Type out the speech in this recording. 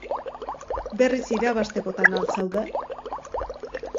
Berriz irabaztekotan al zaude?